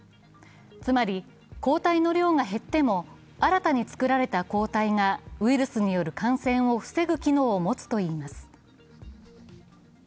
つまり、抗体の量が減っても新たに作られた抗体がウイルスによる感染を防ぐ機能を持つといいます。